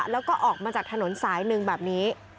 แล้วก็ออกมาจากถนนสายหนึ่งแบบนี้